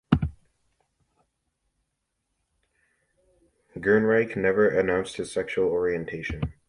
Gernreich never announced his sexual orientation.